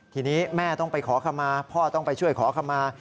ทีนี้แม่ต้องไปขอคำมาพ่อต้องไปช่วยขอขมา